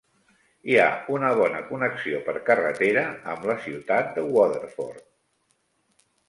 Hi ha una bona connexió per carretera amb la ciutat de Waterford.